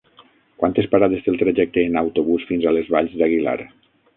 Quantes parades té el trajecte en autobús fins a les Valls d'Aguilar?